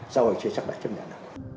sau đó chưa chắc đã chấp nhận được